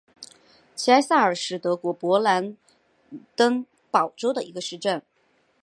齐埃萨尔是德国勃兰登堡州的一个市镇。